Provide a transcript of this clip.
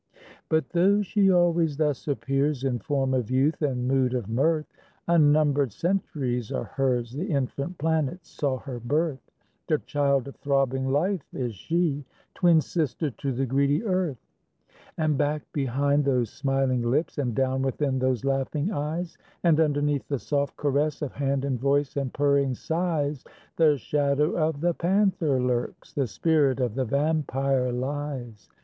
But though she always thus appears In form of youth and mood of mirth, Unnumbered centuries are hers, The infant planets saw her birth; The child of throbbing Life is she, Twin sister to the greedy earth. And back behind those smiling lips, And down within those laughing eyes, And underneath the soft caress Of hand and voice and purring sighs, The shadow of the panther lurks, The spirit of the vampire lies.